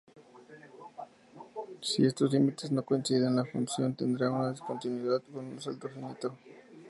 Si estos límites no coinciden la función tendrá una discontinuidad con un salto finito.